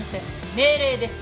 命令です。